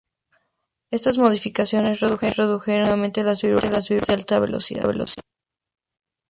Estas modificaciones redujeron efectivamente las vibraciones a alta velocidad.